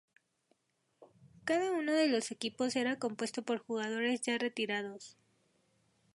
Cada uno de los equipos era compuesto por jugadores ya retirados.